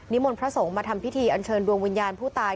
มนต์พระสงฆ์มาทำพิธีอันเชิญดวงวิญญาณผู้ตาย